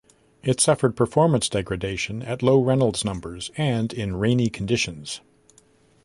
It suffered performance degradation at low Reynolds numbers and in rainy conditions.